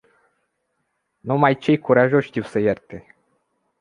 Numai cei curajoși știu să ierte.